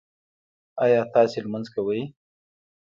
ایا تاسو لمونځ کوئ؟